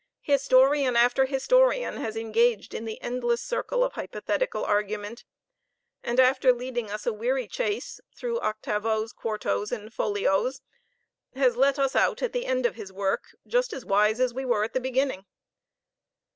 Historian after historian has engaged in the endless circle of hypothetical argument, and, after leading us a weary chase through octavos, quartos, and folios, has let us out at the end of his work just as wise as we were at the beginning.